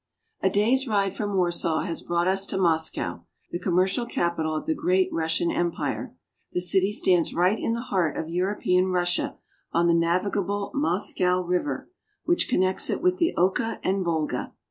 A DAY'S ride from Warsaw has brought us to Moscow, the commercial capital of the great Russian Empire. The city stands right in the heart of European Russia, on Moscow. the navigable Moscow River, which connects it with the Oka and Volga.